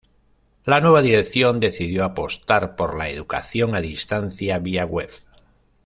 La nueva dirección decidió apostar por la educación a distancia vía web.